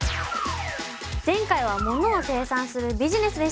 前回は「ものを生産するビジネス」でした。